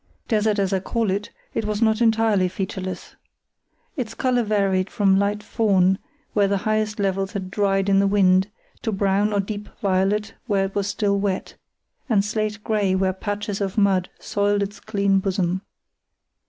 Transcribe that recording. Desert as I call it, it was not entirely featureless. Its colour varied from light fawn, where the highest levels had dried in the wind, to brown or deep violet, where it was still wet, and slate grey where patches of mud soiled its clean bosom.